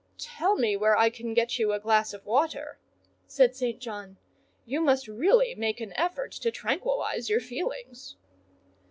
"Tell me where I can get you a glass of water," said St. John; "you must really make an effort to tranquillise your feelings."